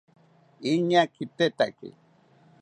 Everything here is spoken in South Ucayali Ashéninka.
Iñaa kitetaki